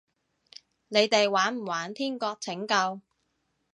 你哋玩唔玩天國拯救？